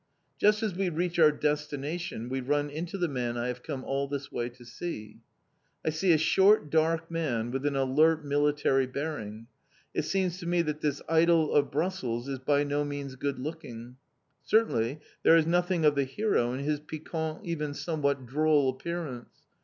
Just as we reach our destination, we run into the man I have come all this way to see. I see a short, dark man, with an alert military bearing. It seems to me that this idol of Brussels is by no means good looking. Certainly, there is nothing of the hero in his piquant, even somewhat droll appearance.